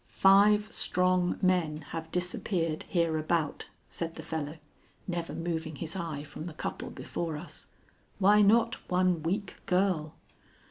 "Five strong men have disappeared hereabout," said the fellow, never moving his eye from the couple before us. "Why not one weak girl?"